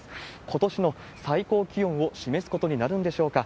ことしの最高気温を示すことになるんでしょうか。